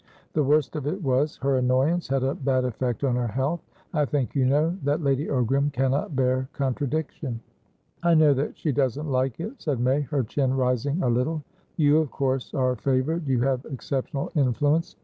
The worst of it was, her annoyance had a bad effect on her health. I think you know that Lady Ogram cannot bear contradiction." "I know that she doesn't like it," said May, her chin rising a little. "You, of course, are favoured. You have exceptional influence.